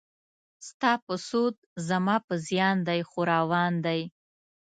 ستا په سود زما په زیان دی خو روان دی.